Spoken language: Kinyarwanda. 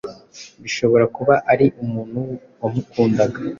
Bishobora kuba ari umuntu wamukundaga